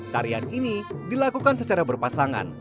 tarian ini dilakukan secara berpasangan